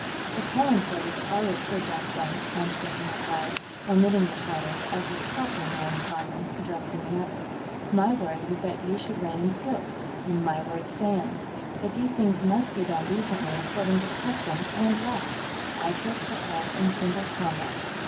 "A Terran's word is always good, Jonkvank," von Schlichten replied, omitting the titles, as was proper in one sovereign addressing another. "My word was that you should reign in Skilk, and my word stands. But these things must be done decently, according to custom and law. I killed Firkked in single combat.